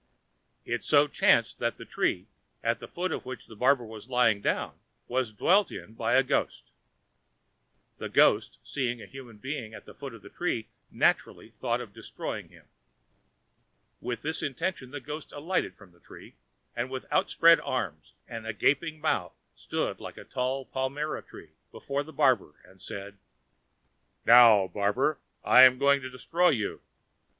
It so chanced that the tree, at the foot of which the barber was lying down, was dwelt in by a ghost. The ghost seeing a human being at the foot of the tree naturally thought of destroying him. With this intention the ghost alighted from the tree, and, with outspread arms and a gaping mouth, stood like a tall palmyra tree before the barber, and said, "Now, barber, I am going to destroy you.